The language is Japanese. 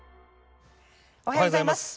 おはようございます。